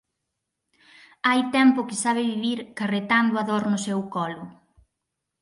Hai tempo que sabe vivir carretando a dor no seu colo...